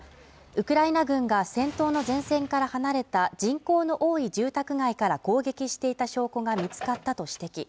ウクライナ軍が戦闘の前線から離れた人口の多い住宅街から攻撃していた証拠が見つかったと指摘